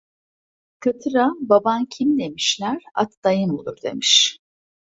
Katıra "baban kim?" demişler, at dayım olur demiş.